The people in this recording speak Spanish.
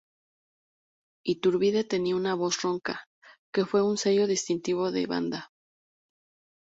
Iturbide tenía una voz ronca, que fue un sello distintivo de la banda.